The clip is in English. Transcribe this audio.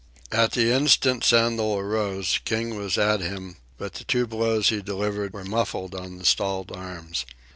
At the instant Sandel arose, King was at him, but the two blows he delivered were muffled on the stalled arms.